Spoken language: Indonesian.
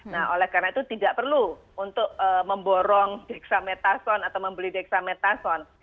nah karena itu tidak perlu untuk memborong dexamethasone atau membeli dexamethasone